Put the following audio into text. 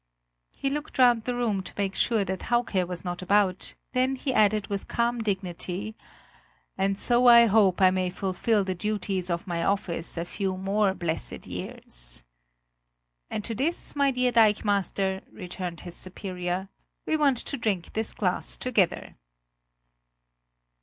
He looked round the room to make sure that Hauke was not about; then he added with calm dignity: "And so I hope I may fulfill the duties of my office a few more blessed years." "And to this, my dear dikemaster," returned his superior, "we want to drink this glass together."